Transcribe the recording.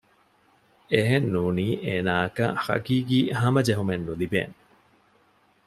އެހެން ނޫނީ އޭނާއަކަށް ޙަޤީޤީ ހަމަޖެހުމެއް ނުލިބޭނެ